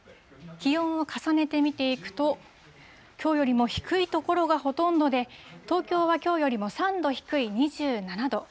気温を重ねて見ていくと、きょうよりも低い所がほとんどで、東京はきょうよりも３度低い２７度。